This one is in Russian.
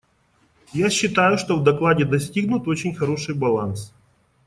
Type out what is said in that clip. Я считаю, что в докладе достигнут очень хороший баланс.